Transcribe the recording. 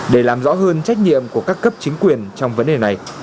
để làm rõ hơn trách nhiệm của các cấp chính quyền trong vấn đề này